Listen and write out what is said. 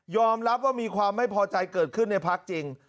รับว่ามีความไม่พอใจเกิดขึ้นในพักจริง